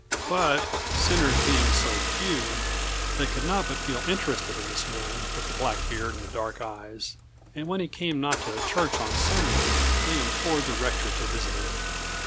But, sinners being so few, they could not but feel interested in this man with the black beard and dark eyes, and when he came not to church on Sunday they implored the rector to visit him.